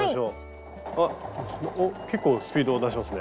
あっおっ結構スピード出しますね。